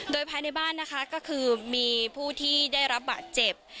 โดยภายในบ้านนะคะก็คือมีผู้ที่ได้รับบาดเจ็บ